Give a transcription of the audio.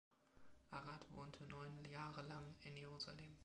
Arad wohnte neun Jahre lang in Jerusalem.